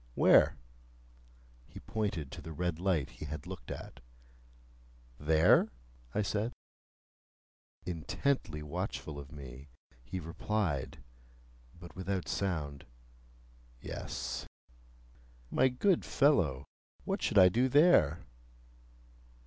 "Where?" He pointed to the red light he had looked at. "There?" I said. Intently watchful of me, he replied (but without sound), "Yes." "My good fellow, what should I do there?